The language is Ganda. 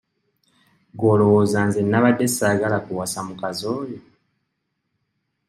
Gwe olowooza nze nnabadde ssaagala kuwasa mukazi oyo?